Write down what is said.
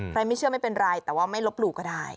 ไม่เชื่อไม่เป็นไรแต่ว่าไม่ลบหลู่ก็ได้